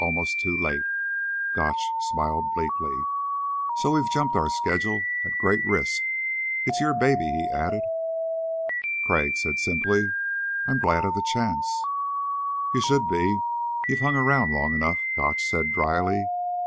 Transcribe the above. almost too late." Gotch smiled bleakly. "So we've jumped our schedule, at great risk. It's your baby," he added. Crag said simply; "I'm glad of the chance." "You should be. You've hung around long enough," Gotch said dryly.